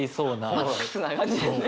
マックスな感じですね。